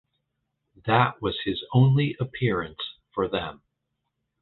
That was his only appearance for them.